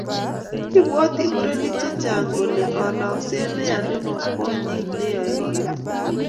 ibwoti murenik chechang kole kalokset neya nebo kwonyik neyoei keng'em